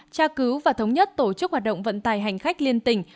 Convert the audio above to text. tra cứu và thống nhất tổ chức hoạt động vận tài hành khách liên tỉnh